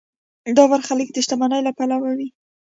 دا برخلیک د شتمنۍ له پلوه وي.